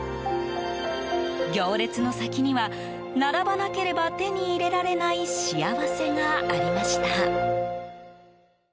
行列の先には、並ばなければ手に入れられない幸せがありました。